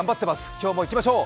今日もいきましょう！